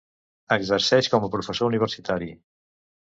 Exerceix com a professor universitari.